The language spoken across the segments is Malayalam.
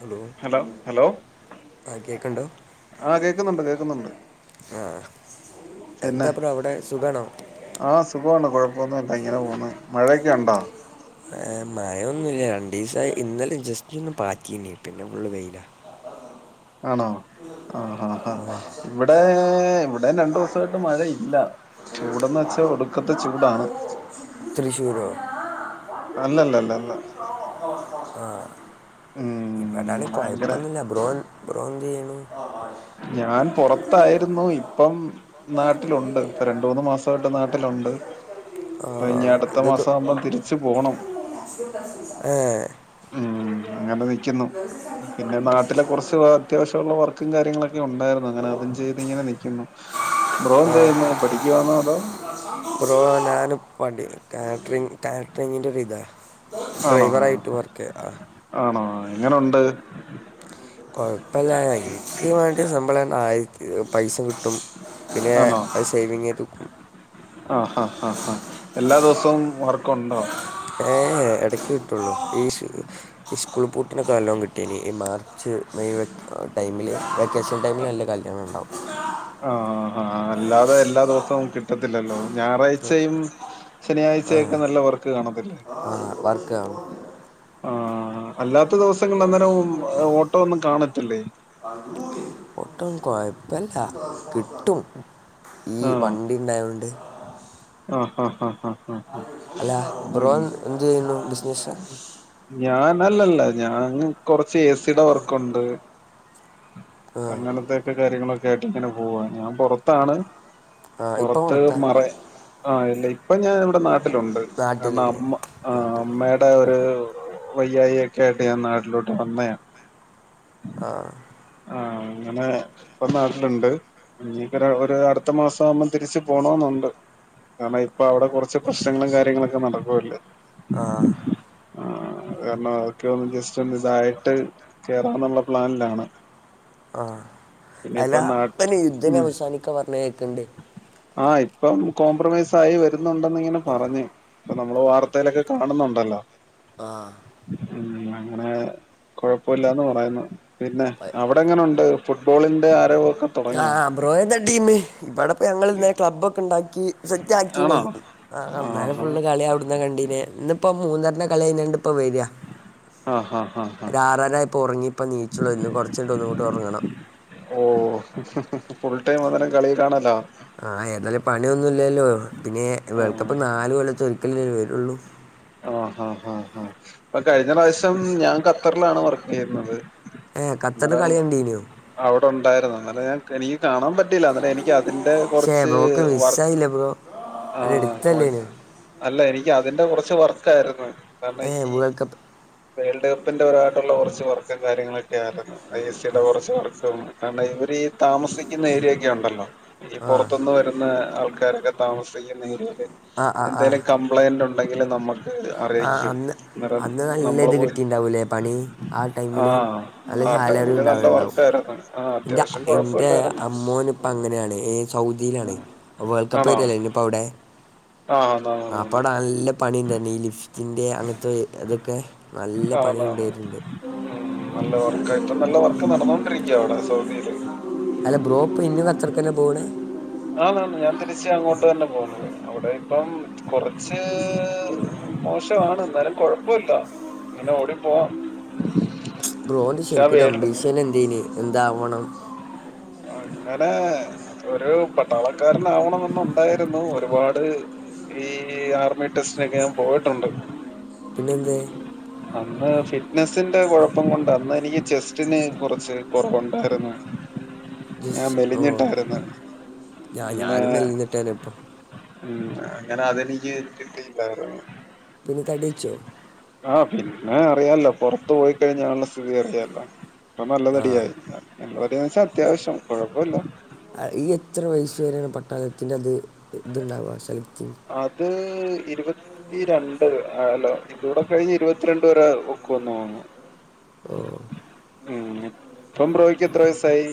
ഹലോ ആഹ് കേക്കണ്ടോ ആ കേക്കുന്നുണ്ട് കേക്കുന്നുണ്ട് ആഹ് എന്താ ബ്രോ അവിടെ സുഖാണോ ആഹ് സുഖവാണ് കുഴപ്പന്നൂല്ല ഇങ്ങനെ പോണ് മഴയൊക്കെ ഒണ്ടോ ഏഹ് മഴയൊന്നുല്ല രണ്ടു ദിവസായി ഇന്നലെ ജസ്റ്റ് ഒന്ന് പാറ്റീന്ന് പിന്നെ ഫുള്ള് വെയില ആണോ ആഹ് ആഹ് ഹാ ഇവിടെ ഇവിടേം രണ്ടു ദിവസായിട്ട് മഴയില്ല ചൂടെന്ന് വെച്ചാ ഒടുക്കത്തെ ചൂടാണ് തൃിശൂരോ അല്ലല്ലല്ല അല്ല ആഹ് ഉം ഇവിടായാലും ഭയങ്കര കൊഴപ്പൊന്നുല്ല ബ്രോ ബ്രോ എന്തിയ്യ്ണ് ഞാൻ പുറത്തായിരുന്നു ഇപ്പം നാട്ടിലുണ്ട് ഇപ്പൊ രണ്ട് മൂന്ന് മാസം സായിട്ട് നാട്ടിലുണ്ട് ആ അപ്പ ഇനി അടുത്ത ഇത് മാസം ആവുമ്പം തിരിച്ച് പോണം ഏഹ് ഉം അങ്ങനെ നിയ്ക്കുന്നു പിന്നെ നാട്ടിലെ കുറച്ച് അത്യാവശ്യം ടെള്ള വർക്കും കാര്യങ്ങളൊക്കെ ഉണ്ടായിരുന്നു അങ്ങനെ അതും ചെയ്ത് ഇങ്ങനെ നിയ്ക്കുന്ന് ബ്രോ ആ എന്തയ്യ്ന്ന് പഠിക്കുവാന്നോ അതോ ബ്രോ ഞാന് പടി കാറ്ററിങ് കാറ്ററിങ്ങിന്റെ ഒരിതാ ആണോ ഡ്രൈവറായിട്ടും വർക്ക് ആഹ് ആണോ എങ്ങനുണ്ട് കൊഴപ്പല്ല ഇക്ക് വേണ്ടി സമ്പള ആയിരത്തി പൈസ കിട്ടും പിന്നെ ഞാ ആണോ അത് സേവിംഗ് ആയിട്ട് വെക്കും ആഹ് ആഹ് ആഹ് ഹാ എല്ലാ ദിവസവും വർക്കുണ്ടോ? ഏ ഇടക്ക് കിട്ടുള്ളൂ ഈ ഷ് ഇസ്കൂള് പൂട്ടണ കാലം കിട്ടീനി ഈ മാർച്ച് മെയ് ടൈമില് വെക്കേഷൻടൈമിൽ നല്ല കല്യാണം ഉണ്ടാവും ആഹ് ആഹ് അല്ലാതെ എല്ലാ ദിവസവും കിട്ടത്തില്ലല്ലോ ഞായറാഴ്ചയും ശനിയാഴ്ചയൊക്കെ നല്ല വർക്ക് കാണത്തില്ലേ ആഹ് വർക്ക് ആഹ് ആഹ് അല്ലാത്ത ദിവസങ്ങളില് ഏഹ് അന്നേരം ഓട്ടോ ഒന്നും കാണത്തില്ലേ ഓട്ടം കുഴപ്പല്ല കിട്ടും ഈ വ ആഹ് ണ്ടിണ്ടായോണ്ട് ആഹ് ഹ ഹ ഹ അല്ല ബ്രോ എന്ത് ചെയ്യുന്നു ബിസിനസ് ഞാനല്ലല്ല ഞാൻ കൊറച്ച് എ സിയുടെ വർക്കുണ്ട് ആ അങ്ങനത്തെയൊക്കെ കാര്യങ്ങളൊക്കെ ആയിട്ട് ഇങ്ങനെ പോവാ ഞാൻ പൊറത്താണ് ആ ഇപ്പം പുറത്ത് പുറത്താ മറേ ആഹ് ഇല്ല ഇപ്പൊ ഞാൻ ഇവിടെ നാട്ടിലുണ്ട് കാരണം നാട്ടിലില്ലേ അമ്മ ആഹ് നാട്ടിൽ അമ്മയ് ടെ ഒരു വയ്യായി ഒക്കെ ആയിട്ട് ഞാൻ നാട്ടിലോട്ട് വന്നയാണ് ആഹ് ആഹ് അങ്ങനെ ഇപ്പൊ നാട്ടിലുണ്ട് ഇഞ്ഞിപ്പ ര ഒരു അടുത്ത മാസം ആവുമ്പോം തിരിച്ച് പോണോന്നുണ്ട് കാരണം ഇപ്പൊ അവിടെ കുറച്ച് പ്രശ്നങ്ങളും കാര്യങ്ങളൊക്കെ നടക്കുവല്ലേ? ആഹ് ആഹ് അത് കാരണം അതൊക്കെ ഒന്ന് ജസ്റ്റ് ഒന്ന് ഇതായിട്ട് കേറണെന്നുള്ള പ്ലാനിലാണ്. ആഹ് പിന്നെ അല്ല ഇപ്പ നാട്ടിൽ പ്പന്നി യുദ്ധന്നെ ഉം അവസാനിക്കാ പറഞ്ഞഅ് കേൾക്കണ്ട്. ആഹ് ഇപ്പം കോംപ്രമൈസ് ആയി വരുന്നുണ്ടെന്ന് ഇങ്ങനെ പറഞ്ഞ് അപ്പൊ നമ്മള് വാർത്തയിലൊക്കെ കാണുന്നുണ്ടല്ലോ ആഹ് ഉം അങ്ങനെ കൊഴപ്പല്ലാന്ന് പറയുന്നു പിന്നെ പ- അവിടെങ്ങനുണ്ട് ഫുട്ബോളിന്റെ ആരവൊക്കെ തുടങ്ങിയോ ആഹ് ബ്രോ ഏതാ ടീം ഇവിടെപ്പ ഞങ്ങള് നഇന്ന് ക്ലബ്ബ് ഒക്കെ ഉണ്ടാക്കി കി സെറ്റാകിണ് ആണോ ആഹ് ഇന്നലെ ആഹാ ഫുള്ള് കളി അവ്ട്ന്ന് ന്നാ കണ്ടീനെ ഇന്ന്പ്പോ മൂന്നെര്ന്റെ കളി കഴഞ്ഞാണ്ട് ഇപ്പ വരാ ആഹാ ഹാ ഹാ ഒര് ആറരായപ്പോ ഒറങ്ങി ഇപ്പൊ നീച്ചുവര്ന് കൊറച്ചയ്ണ്ട് ഒന്ന്‌കൂടി ഒറങ്ങണം ഓഹ് ഫുൾ ടൈം അന്നേരം കളിലാണലാ ആഹ എതായാലും പണിയൊന്നുംല്ലല്ലോ പിന്നെ ആഹ് വേൾഡ്കപ്പ് നാല് കൊല്ലത്ത് ഒരിക്കൽല്ലേ വരുള്ളൂ ആഹ ആഹ ആഹ ഇപ്പ കഴിഞ്ഞ പ്രാവശ്യം ഞാൻ ഖത്തർലാണ് വർക്ക് ചെയ്ര്ന്നത് ഏഹ് ഖത്തർൽ കളി കണ്ടീനൊ അവടെ ഉണ്ടായിരുന്നു ഇന്നലെ ഞാൻ എനിക്ക് കാണാൻ പറ്റില്ല ഇന്നലെ എനിക്ക് ക് അതിന്റെ പക്ഷേ കൊറച്ച് ബ്രോക്ക് വർക്ക് മിസ്സായില്ല ബ്രോ അത് ആഹ് ഓയ് എടുത്തല്ലേനു അല്ല എനിക്ക് അതിന്റെ കൊറച്ച് വർക്കയിര്ന്നു കാരണം ഏ ഈ വേൾഡ് കപ്പ് വേൾഡ് കപ്പിന്റെ ഒരായിട്ടുള്ള കൊറച്ച് വർക്കും കാര്യങ്ങളൊക്കെ ആരുന്നു ഐസിയുടെ കൊറച് വർക്കും ആണ്ടെ ഇവര് താമസിക്കുന്ന ഏരിയൊക്കെ ഉണ്ടല്ലോ ഈ ആ പുറത്തൊന്ന് വരുന്ന ആൾക്കാരൊക്കെ താമസിക്കുന്ന എരിയേല് ആ ആ ആ എന്തേലും കംപ്ലൈന്റ് ഉണ്ടെങ്കി ങ്കില് നമ്മക്ക് ആ അറിയിക്കും അന്ന് അന്നേരം അന്ന് നല്ല നമ്മള് ഇത് പോയി കിട്ടിയിട്ടുണ്ടാവൂലേ പണി ആ ടൈമിൽ ആഹ ആ ടൈമില് നല്ല വർക്ക് ആയിര്ന്ന് ഇന്റെ ഇന്റെ അമ്മോന് ഇപ്പ അങ്ങനെയാണ് എഹ് സൗദിയിലാണ് വേൾകപ്പ് ആണോ [unintelligible] അപ്പ അവടെ ആഹ് ആന്ന് ആന്ന് അപ്പവിടെ നല്ല പണിണ്ടെന്ന് ഈ ലിഫ് റ്റിന്റെ അങ്ങൻത്തെ ഇതൊക്കെ നല്ല ആന്ന് ആന്ന് പണിയിണ്ടെയിട്ട് ആന്ന് ണ്ട് ഉം നല്ല വർക്ക് ഇപ്പം നല്ല വർക്ക് നടന്നുകോണ്ടിരിക്കാ അവിടെ സൗദിയില് അല്ല ബ്രോ ഇപ്പൊ ഇനിം കത്തറ്ക്കന്നെ പോണ് ആന്ന് ആന്ന് ഞാൻ തിരിച് അങ്ങോട്ട് തന്നെ പോണ് അവിടെ ഇപ്പം കൊറച്ച് മോശവാണ് ഇന്നാലും കൊഴപ്പോല്ല ഇങ്ങനെ ഓടിപ്പോവ ബ്രോന്റെ ശരിക്കത്തെ അംബിഷന് എന്തേന് എന്താവണം അങ്ങനെ ഒരു പട്ടാളക്കാരനാവണമെന്ന് ഉണ്ടായിരുന്നു ഒരുപാട് ഈ ആർമി ടെസ്റ്റിനൊക്കെ ഞാൻ പോയിട്ടുണ്ട് പിന്നെ എന്തേ അന്ന് ഫിറ്റ്നസ്സിന്റെ കൊഴപ്പം കൊണ്ട് അന്ന് എനിക്ക് ചെസ്റ്റിന് കൊറച്ച് കൊറവുണ്ടായിര്ന്നു ഞാൻ ജസ്റ്റ് ഓ മെലിഞ്ഞിട്ടായിര്ന്ന് ഞാൻ അങ്ങനെ ഞാനും മെല്ലിന്നിട്ടാണ് ഇപ്പോൾ ഉം അങ്ങനെ അതെനിക്ക് കിട്ടിയില്ലായിര്ന്നു പിന്നെ തടിവെച്ചോ ആഹ പിന്നെ അറിയാല്ലോ പൊറത്തു പോയിക്കഴിഞ്ഞാള്ള സ്ഥിതി അറിയാലോ ഇപ്പൊ ആ നല്ലതടിയായി നല്ല തടിന്നെച്ച അത്യാവശ്യം കുഴപ്പൊല്ല ഈ എത്ര വയസ്സ് വരെയാണ് പട്ടാളത്തിന്റ അത് ഇതുണ്ടാവ സെലക്ടിങ്ങ് അത് ഇരുപത്തി ത്തിരണ്ട് ആലോ ഇതൂടെ കഴിഞ്ഞ് ഇരുപത്തിരണ്ട് വരെ ഒക്കുവെന്നു തോന്നുന്നു ഓ ഉം ഇപ്പം ബ്രോയിക്ക് എത്ര വയസ്സായി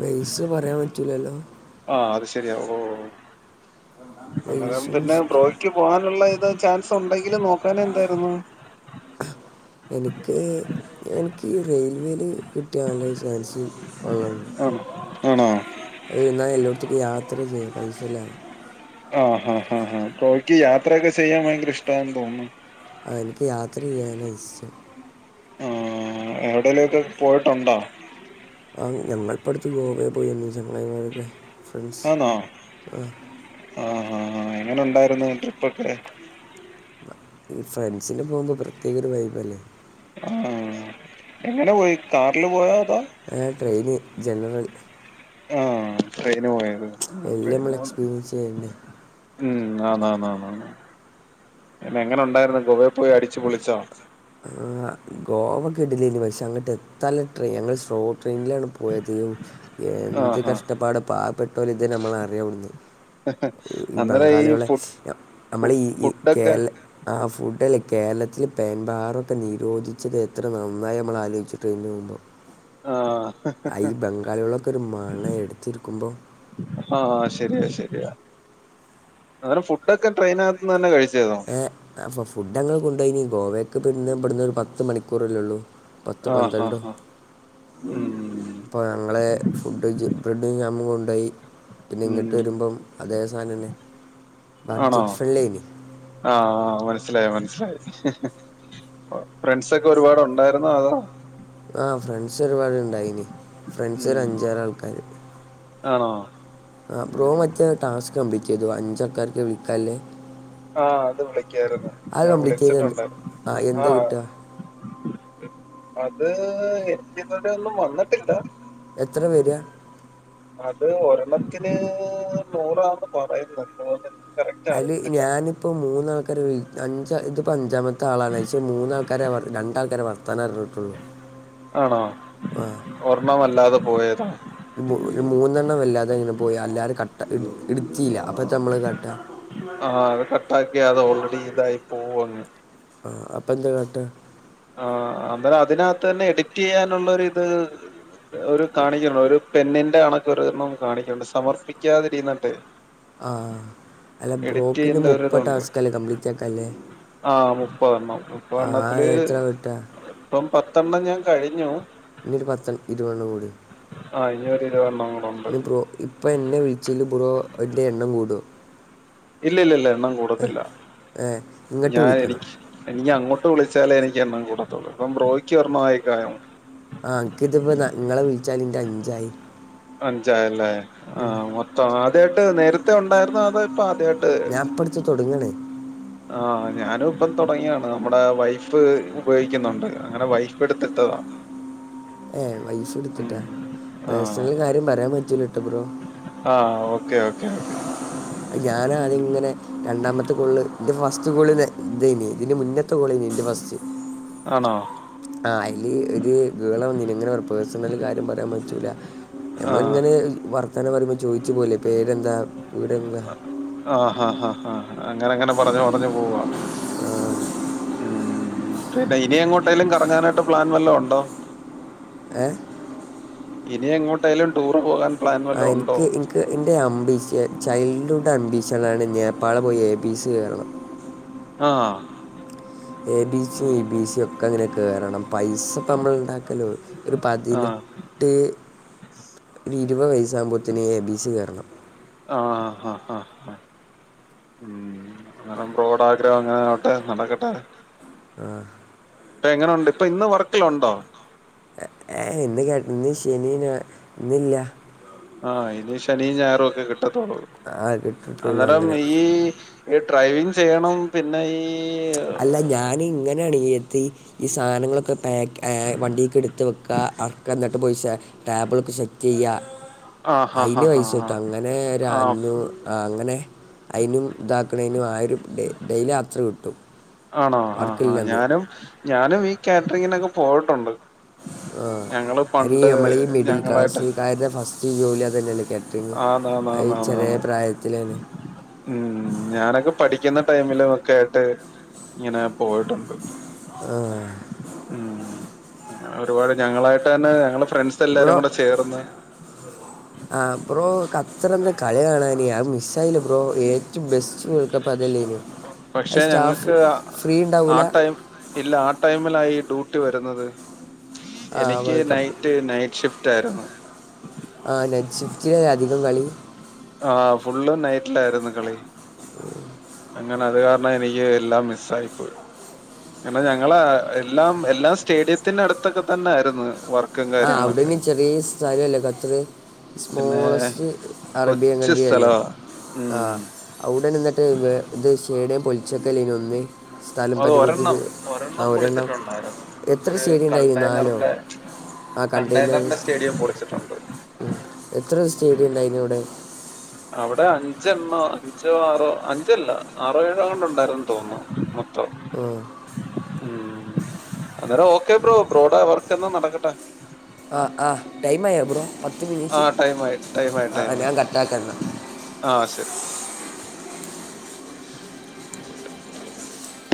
വയസ്സ് പറയാൻ പറ്റൂലല്ലോ ആഹ അത് ശെരിയാ ഓഹ് അന്നേരം വയസ്സും തന്നെ ബ്രോയ് ക്ക് പോകാനുള്ള ഇത് ചാൻസ് ഒണ്ടെങ്കില് നോക്കാനെന്തായിരുന്നു എനിക്ക് എനിക്ക് ഈ റെയിൽവേൽ കിട്ടിയ നല്ലൊരു ചാൻസ് ഒള്ളാണ്ട് ആണോ ആണോ ഉം എന്നാൽ എല്ലോട്ത്ത്ക്കും യാത്ര ചെയ്യാം പൈസയില്ലാതെ ആഹാ ഹാ ഹാ ഹാ ബ്രോയിക് യാത്രയൊക്കെ ചെയ്യാൻ വയങ്കര ഇഷ്ടാന്ന് തോന്നുന്നു. ആഹ് ഇൻക്ക് യാത്ര ചെയ്യാന ഇഷ് ഏടേലൊക്കെ പോയിട്ടുണ്ടൊ. ആഹ് ഞങ്ങൾപ്പട്ത്ത് ഗോവെ പോയെന്ന് ചങ്ങായ്മാരൊക്കെ ഫ്രണ്ട്സ് ആന്നോ ആഹ്. ആഹ് ആഹ് ആഹ് എങ്ങനെ ഉണ്ടായിരുന്നു ട്രിപ്പൊക്കെ. ഫ്രൻസിൻ്റെപ പോക്പോ പ്രത്യേക ഒരു വൈബല്ലേ. ആഹ് എങ്ങനെ പോയി കാറില് പോയോ അതോ. ഏ ട്രെയിന് ജനറൽ. ആഹ് ട്രെയിന് പോയത് എല്ലാം ട്രെയിന് നമ്മൾ പോ. എക്സ്പീരിയൻസ് ചെയ്യുന്നുണ്ട് ഉം ആഹ് ഹാ ഹാ ഹാ ഹ പിന്നെങ്ങനെ ഉണ്ടായിര്ന്ന് ഗോവേപോയി അടിച്ചു പൊളിച്ചോ. അ്ഹ. ഗോവ കിട്ലേനി പക്ഷേ അങ്ങട്ടെത്താല്ല ട്രെയി ഞങ്ങൾ സ്ലോ ട്രെയിനിലാണ് പോയത്. എന്ത് ആഹ് ആഹ് കഷ്ടപ്പാട് പാവപ്പെട്ടോല ഇത് നമ്മൾ അറ്യൊവ്‌ട്ന്ന്. ഉം അന്നേരം ഈ ബംഗാള്യോളെ ഫു ന ഫു നമ്മളെ ഈ ഇ ഫുഡൊക്കെ കേരള ആഹ് ഫുഡല്ലെ കേരളത്തില് പെൻമ്പാറൊക്കെ നിരോധി ച്ചത് എത്ര നന്നായി നമ്മളാലോയ്‌ച് ട്രെയിന് പോവുമ്പൊ. ആഹ്. അയ് ബംഗാള്യൊളൊക്കെരു മണെ എട്ത്തിര്ക്കുമ്പ. ആഹ് ശരിയ ശരിയ. അങ്ങന ഫുഡൊക്കെ ട്രെയിനകത്ത് തന്നെ കഴിച്ചെതോ. ഏഹ് അഫ ഫുഡ്ങ്ങൾ കൊണ്ടോയ്നി ഗോവെക്ക് ദുന്ന ബട്ന്ന് ഒരു പത്ത് മണിക്കൂറല്ലള്ളൂ. പത്ത് ആഹ് പന്ത്രണ്ടു. ആഹ് ആഹ് ഉം പ്പൊ ഞങ്ങളെ ഫുഡ് ജ് ബ്രഡ് ജാമു കൊണ്ടോയി. പിന്നെ ഉം ങ്ങട്ട് വരുമ്പം അതേ സാധനം തന്നെ ആണോ ബഡ്ജറ്റ് ഫ്രണ്ട്ലിയനി. ആഹ് ആഹ് മനസ്സിലായി മനസ്സിലായി. ഒ ഫ്രണ്ട്സൊക്കെ ഒരുപാടുണ്ടായിരുന്നോ അതോ. ആഹ് ഫ്രണ്ട്സ് ഒരുപാടുണ്ടായിനി ഫ്രണ്ട്സ് ഉം ഒരഞ്ചാറ് ആൾക്കാര്. ആണോ. ആഹ് ബ്രോ ഉം മറ്റേ ടാസ്ക് കമ്പ്ലീറ്റെയ്തു അഞ്ചൾക്കാർക്ക് വിളിക്കാല്ലേ. ആഹ് അത് വിളിക്ക്യായിരുന്നു അത് ഞാ കംപ്ലീറ്റ് ചെയ്ത് എന്ത് വിളിച്ചിട്ടുണ്ട് ആ എന്താ ആഹ്. കിട്ടുക അത് എനിക്ക ഇതുവരെ ഒന്നും വന്നിട്ടില്ല. എത്ര വര്യ. അത് ഒരെണ്ണത്തിന് നൂറാന്ന് പറയുന്ന. [unintelligible] അല് ഞാന്. പ്പോ മൂന്നാൾക്കാർ വിൾ അഞ്ച ഇതിപ്പഞ്ചാമത്താളാണ് വശെ മൂന്നാൾക്കാരെ പർ രണ്ടാൾക്കാരെ വർത്താനർഞ്ഞിട്ടുള്ളൂ. ആണോ ഓർമവല്ലാതെ പോയതാ. മു രു മൂന്നെണ്ണം വല്ലാതെ ങ്ങനെ പോയി എല്ലാരും കട്ട ഇട് ഇട്ത്തില്ല അപ്പ ആഹ് അത് കട്ടാക്ക്യ അത ഓൾറെഡ ഇതായി പോവങ്. ആഗ് അപ്പന്താ കാട്ട. ആഹ് അന്നേല അതിനകത്ത് തന്നെ എഡിറ്റെയ്യാനുള്ള ഒരിത്. ഒരു കാണിക്കണ്ട് ഒരു പെന്നിന്റെ അണക്ക ഒരുതണ്ണം കാണിക്കണ്ട് സമർപ്പിക്കാതിരി ന്നണ്ട്. ആഹ് അല്ല എഡിറ്റ് ബ്രോക്ഞ് ചെയ്യേണ്ട മുപ്പ ഒരിതുണ്ട് ടാസ്കലേ കംപ്ലീറ്റ് ആക്കല്ലേ. ആഹ് മുപ്പതെണ്ണം ആ മുപ്പതെണ്ണത്തില് എത്ര കിട്ട ഇപ്പം പത്തെണ്ണം ഞാ കഴിഞ്ഞു. ഇന്നീരു പത്ത് ഇരുപെണ്ണം കൂടി. ആഹ് ഇനി ഒരു ഇരുപെണ്ണം. ഞ് ബ്രാ ഇപ്പൊ എന്നെ വിഴിച്ചൽ ബ്രോ അതിന്റെ എണ്ണം കൂടോ. ഇല്ല ല്ല ല്ല എണ്ണം കൂടുത്തില്ല ഏ ഇങ്ങോട്ട് ഞാൻ വിളിക്കണം എനിക്ക്. എനിക്കങ്ങോട്ട് വിളിച്ചാലേ എനിക്ക് എണ്ണം കൂടത്തുള്ളൂ പ്പം ബ്രോയ്ക്ക് ഒരെണ്ണ ആയേകായം. ആഹ് ഇൻക്ക്തിപ്പ ത ങ്ങളെ വിൾച്ചാല് ന്റെ അഞ്ചായി. അഞ്ചായല്ലേ ഉം. ആഹ മൊത്തം- ആദ്യായിട്ട് നേരത്തെ ഉണ്ടായിരുന്നോ അതോ ഇപ്പോ ആദ്യായിട്ട്- ഞാൻ ഇപ്പം തുടങ്ങണേ. ആ ഞാനും ഇപ്പം തുടങ്ങിയാണ് നമ്മുടെ വൈഫ്- ഉപയോഗിക്കുന്നുണ്ട്. അങ്ങനെ വൈഫ് എടുത്തെടുത്തതാ. ഏ വൈഫ് ഉം എടുത്തിട്ടാ പേഴ്സണൽ കാര്യം പറയാൻ പറ്റൂലോ ഇട്ടപ്രോ. ആഹ ഓക്കെ ഓക്കെ ഓക്കെ. ഞാനാദ്യം ഇങ്ങനെ, രണ്ടാമത്തെ കോള്ള് എന്റെ ഫസ്റ്റ് കോൾ ഇത- ഇതെന് ഇതിന് മുന്നേ- ത്തെ കോളിനി എന്റ ഫസ്റ്റ്. ആണോ. ആ അയില് ഇത് ഗേളാ വന്നിനെ- ഇങ്ങനെ പറ പേഴ്സണല് കാര്യം പറയാൻ പറ്റൂല. ഞമ്മള് ആഹ് ഇങ്ങനെ വർത്താനം- പറയുമ്പോ ചോയിച്ചു പോലെ- പേരെന്താ വീടെവിട- ആഹ ഹാ ഹാ ഹാ അങ്ങന അങ്ങന പറഞ്ഞു പറഞ്ഞു പോവ്വ. ഉം പിന്നെ ഇനി എങ്ങോട്ടേലും- കറങ്ങാനാട്ട് പ്ലാൻ വല്ലോ ഒണ്ടോ? ഹേ... ഇനി എങ്ങോട്ടേലും ടൂറ് പോകാൻ- പ്ലാൻ ആ വല്ലതും ഉണ്ടോ എനിക്ക് എ- നക്ക് എൻ്റെ അംമ്പീഷ, ചൈൽഡ്ഹുഡ് അംമ്പീഷനാണ്- നേപ്പാള പോയി എ. ബി. സി കയറണം. ആഹാ.. A. B. C, E. B. C ഒക്ക- അങ്ങനെ കയറണം പൈസ ഇപ്പ നമ്മള് ഉണ്ടാക്കനോ? ഒരു ആ പതിനെട്ട്, ഇരുപത് വയസ്സാകുമ്പോഴത്തേന് എ. ബി. സി കേറണം. ആഹ ആഹാ ആഹാ... ഉം അന്നരം ബ്രോടാഗ്രഹം അങ്ങനെ ആവട്ടെ നടക്കട്ടെ. ആഹാ.. ഇപ്പ എങ്ങനോണ്ട് ഇപ്പോ ഇന്ന് വർക്കില് ഒണ്ടോ? ഏഹ ഇന്ന് കേട്ട ഇന്ന് ശനി ഞാ- ഇന്നില്ല. ആഹ ഇനി ശനിയും ഞായറു ഒക്കെ കിട്ടത്തോള്ളൂ ആ കിട്ടിട്ടുള്ളൂ അന്നരം അങ്ങനെ ഈ- ഇ ഡ്രൈവിങ് ചെയ്യണം, പിന്നെ ഈ- അല്ല ഞാനിങ്ങനാണ് ത് ഈ ഈ.. സാധനങ്ങളൊക്കെ- പാക്ക് ഹാ വണ്ടിക്ക് എടുത്ത്- വെക്ക്ക ആഹാ, എന്നട്ട് പോയി സ- ടാബിളൊക്കെ സെറ്റ് ചെയ്യ. ആ ഹാ ഹാ അയിന് ഹാ പൈസ ഹാ കിട്ടും, അങ്ങനെ ഒര ആ അഞ്ഞൂ അങ്ങനെ. അയിനും, ഇതാക്ക്ണേനും ആയിരു- പേ ഡെയിലി രാത്രി കിട്ടും. ആണോ ആഹ വർക്കില്ലെന്ന് ഞാനും, ഞാനും ഈ കാറ്ററിങ്ങിനൊക്കെ പോയിട്ടുണ്ട്. ആ ഞങ്ങള് അയ്നി പണ്ട് നമ്മള് ഈ മിഡിൽ- ഞങ്ങളായിട്ട് ക്ലാസ്സുകാരുടെ ഫസ്റ്റ് ജോലി അത് തന്നല്ലെ കാറ്ററി- ആന്ന് ആന്ന് ആഹാ ഈ ആന്ന് ആന്ന് ചെറിയ ആന്ന് പ്രായത്തിലെണ്- ഉം ഞാനെക്കെ പഠിക്കുന്ന- ടൈമിലോക്കെ ആയിട്ട് ഇങ്ങനെ പോയിട്ടുണ്ട്. ആഹാ.. ഉം ഒരുപാട് ഞങ്ങളായിട്ട് തന്നെ, ഞങ്ങള് ഫ്രണ്ട്സ് എല്ലാരും ബ്രോ കൂടെ ചേർന്ന്- ആ ബ്രോ ഖത്തറിന്റെ കളി കാണാന് ആ മിസ്സായിലെ ബ്രോ ഏ- ഏറ്റോ ബെസ്റ്റ് വേൾഡ് കപ്പ്- അതല്ലെനു അത് പക്ഷെ സ്റ്റാഫ് ഞങ്ങൾക്ക് ഫ്രീ ആ ഇണ്ടാവൂല്ല. ടൈം ഇല്ല ആ ടൈമില ഈ ഡ്യൂട്ടി വരുന്നത് ആ എനിക്ക് വേൾഡ് കപ്പ് നൈറ്റ്, നൈറ്റ് ഷിഫ്- റ്റാരുന്ന്. ആ നൈറ്റ്‌ ഷിഫ്റ്റിലല്ലെ അധികം കളി. ആഹ് ഫുള്ളും നൈറ്റിലായിരുന്നു കളി. ഉം... അങ്ങനത് കാരണം എനിക്ക് എല്ലാം മിസ്സായിപ്പോയി. പിന്നെ ഞങ്ങള എല്ലാം, എല്ലാ സ്റ്റേഡിയത്തിനടുത്തൊക്കെ- തന്നായിരുന്നു വർക്ക്. ആഹ് അവിടെന് ചെറിയ സ്ഥലല്ലേ ഖത്തറ്. പിന്നെ സ്മോളസ്റ്റ് അറേബിയൻ കൊച്ചു കണ്ടട്രിയല്ലേ? സ്ഥലവാ ആഹാ ഉം അവിടെ നിന്നിട്ട് ഇത് സ്റ്റേഡിയം പൊളിച്ചക്കലെനു അന്ന്- അത് ഒരെണ്ണം, ഒരെണ്ണം പൊളിച്ചെട്ടുണ്ടായിരുന്നു. എത്ര ഒരു സ്റ്റേഡിയം ഉണ്ടായിരുന്നു നാലോ കണ്ടെയ്നറിന്റെ- ആ കണ്ടെയ്നറിന്റെ സ്റ്റേഡിയം പൊളിച്ചെട്ടുണ്ട്. ഉം എത്ര സ്റ്റേഡിണ്ടായിനു അവിടെ അവിടെ അഞ്ചണ്ണ അഞ്ചോ ആറോ അഞ്ചല്ല ആറോ ഏഴോങ്ങാണ്ട് ഉണ്ടാരുന്നെന്ന് തോന്ന് മൊത്തം ഉം ഉം അന്നേരം ഓക്കെ ബ്രോ ബ്രോഡാ വർക്ക്ന്നാ നടക്കട്ടെ ആഹ് ആഹ് ടൈം ആയോ ബ്രോ പത്ത് ആ മിനിറ്റ് ടൈമായി ആഹ് ആഹ് ഞാ കട്ടാക്കാന്ന ആഹ് ശരി [inaudible]